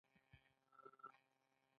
د بدخشان په درایم کې د قیمتي ډبرو نښې دي.